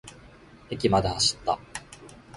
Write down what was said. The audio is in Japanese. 駅まで走った。